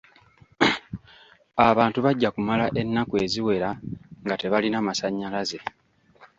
Abantu bajja kumala ennaku eziwera nga tebalina masannyalaze.